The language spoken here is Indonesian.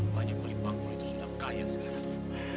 banyak mulai bangun itu sudah kaya sekarang